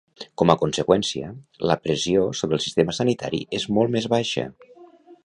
Com a conseqüència, la pressió sobre el sistema sanitari és molt més baixa.